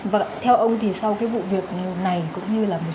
vâng theo ông thì sau cái vụ việc này cũng như là một số